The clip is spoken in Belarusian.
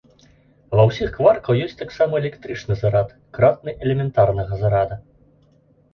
Ва ўсіх кваркаў ёсць таксама электрычны зарад, кратны элементарнага зарада.